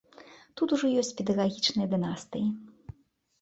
Тут ужо ёсць педагагічныя дынастыі.